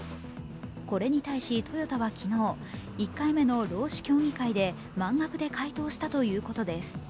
これに対し、トヨタは昨日、１回目の労使協議会で満額で回答したということです。